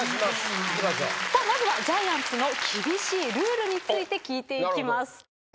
まずはジャイアンツの厳しいルールについて聞いていきます。